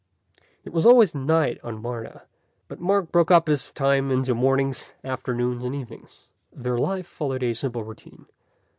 It was always night on Martha, but Mark broke up his time into mornings, afternoons and evenings. Their life followed a simple routine.